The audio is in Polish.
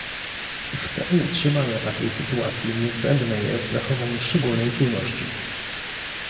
W celu utrzymania takiej sytuacji niezbędne jest zachowanie szczególnej czujności